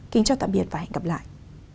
kính chào tạm biệt và hẹn gặp lại